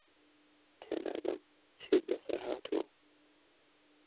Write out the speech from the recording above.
تێناگەم چیت بەسەر هاتووە.